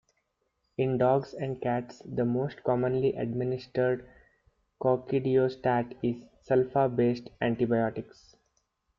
In dogs and cats, the most commonly administered coccidiostat is sulfa-based antibiotics.